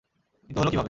কিন্তু হলো কিভাবে?